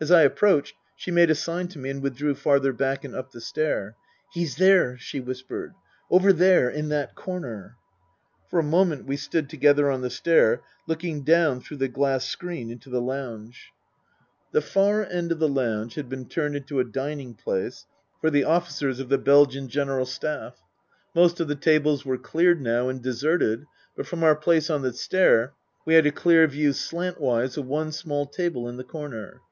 As I approached she made a sign to me and withdrew farther back and up the stair. "He's there," she whispered. "Over there. In that corner." For a moment we stood together on the stair, looking down through the glass screen into the lounge. 294 Tasker Jevons The far end of the lounge had been turned into a dining place for the officers of the Belgian General Staff. Most of the tables were cleared now and deserted. But from our place on the stair we had a clear view slantwise of one small table in the corner.